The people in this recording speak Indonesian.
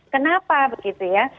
kenapa begitu ya